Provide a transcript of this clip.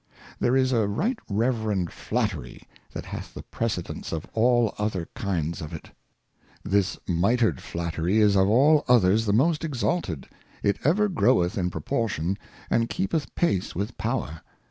There is a Right Reverend Flattery that hath the Precedence of all other Kinds of it. This Mitred Flattery is of all others the most exalted. It ever groweth in proportion, and keepeth pace with Power.